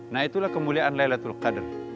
nah itulah kemuliaan laylatul qadar